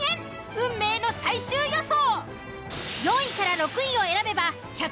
運命の最終予想。